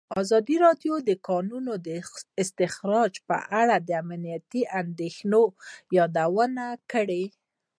ازادي راډیو د د کانونو استخراج په اړه د امنیتي اندېښنو یادونه کړې.